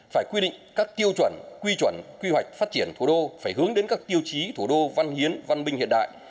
phải quy định các tiêu chuẩn quy chuẩn quy hoạch phát triển thủ đô phải hướng đến các tiêu chí thủ đô văn hiến văn minh hiện đại